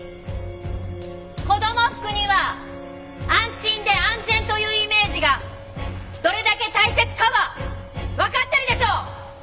子供服には安心で安全というイメージがどれだけ大切かはわかってるでしょ！